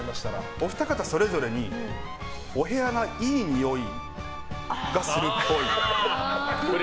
お二方それぞれにお部屋がいいにおいがするっぽい。